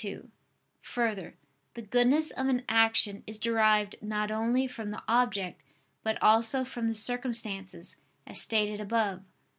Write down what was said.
2: Further, the goodness of an action is derived not only from the object but also from the circumstances, as stated above (Q.